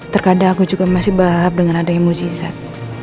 terkadang aku juga masih berharap dengan adanya muzizat